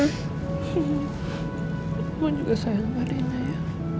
aku juga sayang sama reina ya